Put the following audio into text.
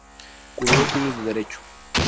Cursó estudios de Derecho.